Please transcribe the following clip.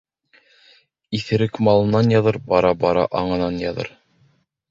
Иҫерек малынан яҙыр, бара-бара аңынан яҙыр.